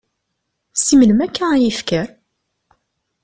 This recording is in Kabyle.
Si melmi akka, ay ifker?